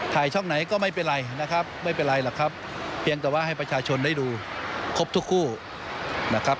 ช่องไหนก็ไม่เป็นไรนะครับไม่เป็นไรหรอกครับเพียงแต่ว่าให้ประชาชนได้ดูครบทุกคู่นะครับ